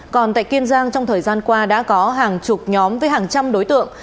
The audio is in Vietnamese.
còn tại kiên giang trong thời gian qua đã có hàng chục nhóm với hàng trăm đối tượng